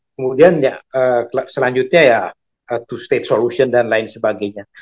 kemudian selanjutnya ya to state solution dan lain sebagainya